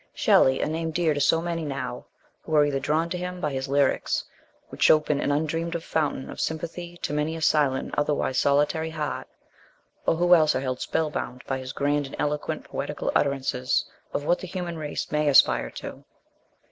SHELLEY, a name dear to so many now, who are either drawn to him by his lyrics, which open an undreamed of fountain of sympathy to many a silent and otherwise solitary heart, or who else are held spell bound by his grand and eloquent poetical utter ances of what the human race may aspire to.